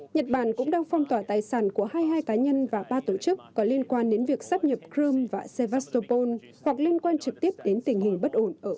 nhật bản cũng đang phong tỏa tài sản của hai mươi hai cá nhân và ba tổ chức có liên quan đến việc sắp nhập crimea và sevastopol hoặc liên quan trực tiếp đến tình hình bất ổn